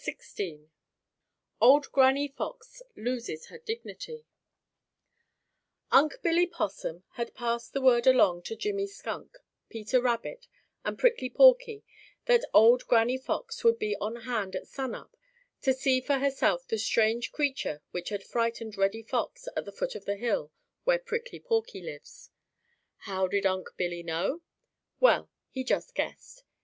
XVI OLD GRANNY FOX LOSES HER DIGNITY Unc' Billy Possum had passed the word along to Jimmy Skunk, Peter Rabbit, and Prickly Porky that old Granny Fox would be on hand at sun up to see for herself the strange creature which had frightened Reddy Fox at the foot of the hill where Prickly Porky lives. How did Unc' Billy know? Well, he just guessed.